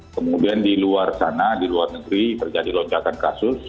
kemudian di luar sana di luar negeri terjadi lonjakan kasus